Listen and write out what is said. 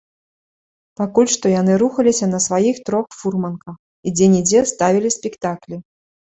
Пакуль што яны рухаліся на сваіх трох фурманках і дзе-нідзе ставілі спектаклі.